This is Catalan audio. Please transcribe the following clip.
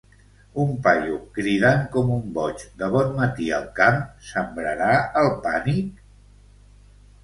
Un paio cridant com un boig de bon matí al camp, sembrarà el pànic?